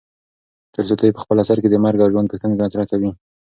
تولستوی په خپل اثر کې د مرګ او ژوند پوښتنې مطرح کوي.